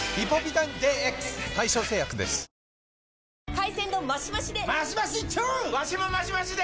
海鮮丼マシマシで！